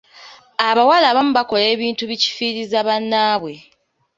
Abawala abamu bakola ebintu bikifiiriza bannaabwe.